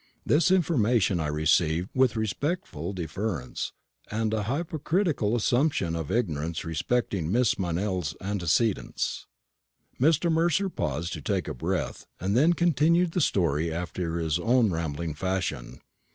This information I received with respectful deference, and a hypocritical assumption of ignorance respecting Miss Meynell's antecedents. Mr. Mercer paused to take breath, and then continued the story after his own rambling fashion.